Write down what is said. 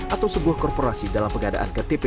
atau sebuah korporasi dalam pengadaan ktp